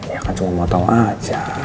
ya kan cuma mau tahu aja